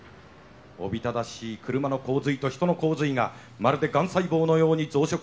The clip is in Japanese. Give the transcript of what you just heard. おびただしい車の洪水と人の洪水がまるでがん細胞のように増殖して見える。